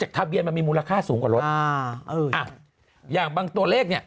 ทะเบียนมันมีมูลค่าสูงกว่ารถอ่าเอออ่ะอย่างบางตัวเลขเนี้ย